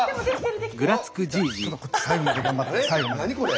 何これ？